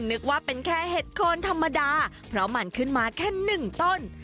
นึกว่าเป็นแค่เห็ดโคนธรรมดาเพราะมันขึ้นมาแค่หนึ่งต้น